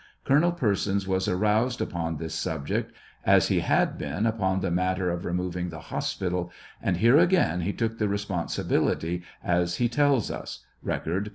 Colonel Persons was aroused upon this subject, as he had been upon the matter of removing the hospital, and here again betook the responsibility, as he tells us, (Record, p.